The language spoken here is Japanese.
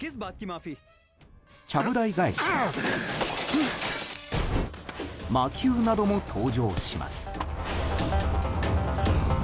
ちゃぶ台返し魔球なども登場します。